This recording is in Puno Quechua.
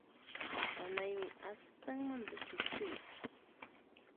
Panaymi astanmanta chukchuyuq.